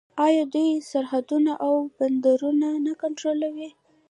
آیا دوی سرحدونه او بندرونه نه کنټرولوي؟